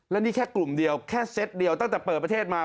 และนี่แค่กลุ่มเดียวแค่เซตเดียวตั้งแต่เปิดประเทศมา